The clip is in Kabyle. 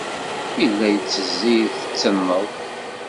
Tella tettezzi, tettenneḍ.